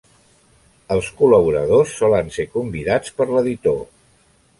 Els col·laboradors solen ser convidats per l'editor.